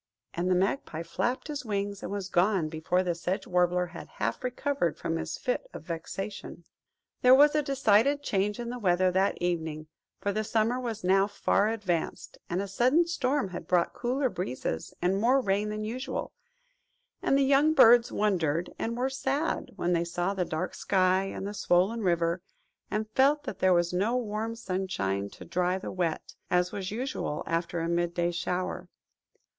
And the Magpie flapped his wings, and was gone before the Sedge Warbler had half recovered from his fit of vexation. There was a decided change in the weather that evening, for the summer was now far advanced, and a sudden storm had brought cooler breezes and more rain than usual, and the young birds wondered, and were sad, when they saw the dark sky, and the swollen river, and felt that there was no warm sunshine to dry the wet, as was usual after a mid day shower.